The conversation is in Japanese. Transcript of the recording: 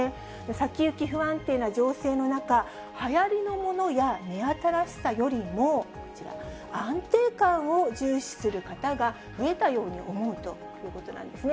先行き不安定な情勢の中、はやりのものや目新しさよりも、こちら、安定感を重視する方が増えたように思うということなんですね。